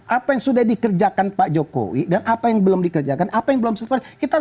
apa yang sudah dikerjakan pak jokowi dan apa yang belum dikerjakan apa yang belum subver